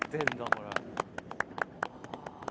これ。